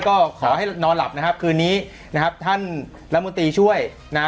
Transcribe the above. ก็ขอให้นอนหลับนะครับคืนนี้นะครับท่านรัฐมนตรีช่วยนะ